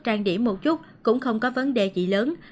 trang điểm một chút cũng không có vấn đề gì lớn